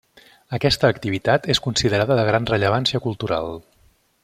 Aquesta activitat és considerada de gran rellevància cultural.